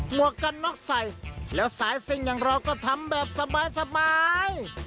วกกันน็อกใส่แล้วสายซิ่งอย่างเราก็ทำแบบสบาย